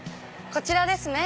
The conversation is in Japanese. こちらですね！